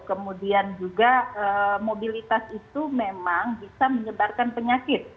kemudian juga mobilitas itu memang bisa menyebarkan penyakit